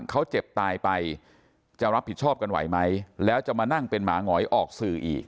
เขาเจ็บตายไปจะรับผิดชอบกันไหวไหมแล้วจะมานั่งเป็นหมาหงอยออกสื่ออีก